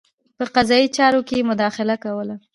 په قضايي چارو کې یې مداخله کوله.